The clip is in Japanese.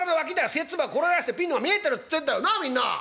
賽っ粒が転がしてピンの目が見えてるって言ってんだよなあみんな」。